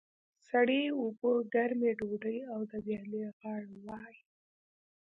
سړې اوبه، ګرمه ډودۍ او د ویالې غاړه وای.